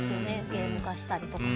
ゲーム化したりとか。